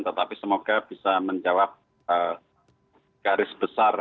tetapi semoga bisa menjawab garis besar